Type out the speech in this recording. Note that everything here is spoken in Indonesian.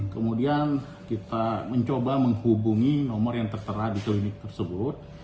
kemudian kita mencoba menghubungi nomor yang tertera di klinik tersebut